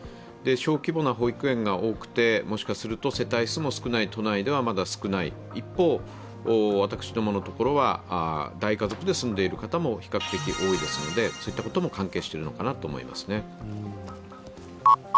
小規模な保育園が多くて、もしかしたらまだ少ない、一方、私どものところは大家族で住んでいる方も比較的多いですのでそういったことも関係しているのかもしれないです。